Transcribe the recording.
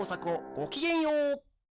ごきげんよう！